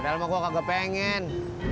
padahal mah gua kagak pengen